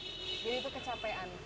jadi itu kecapean